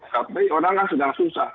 tapi orangnya sedang susah